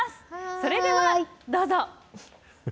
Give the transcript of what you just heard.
それでは、どうぞ。